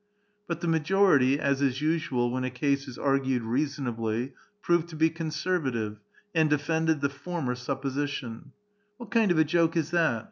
But the majority, as is usual when a case is argued reason ably, proved to be conservative, and defended the former supposition :—" What kind of a joke is that?